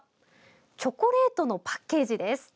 チョコレートのパッケージです。